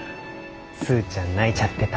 スーちゃん泣いちゃってた。